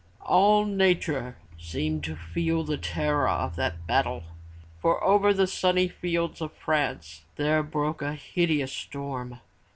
All nature seemed to feel the terror of that battle, for over the sunny fields of France, there broke a hideous storm.